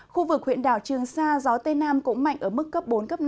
khu vực huyện đảo trường sa gió tây nam cũng mạnh ở mức cấp bốn cấp năm